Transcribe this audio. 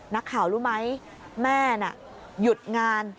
นักข่าวรู้ไหมแม่น่ะหยุดงาน